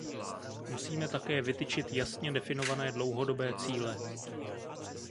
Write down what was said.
Musíme také vytyčit jasně definované dlouhodobé cíle.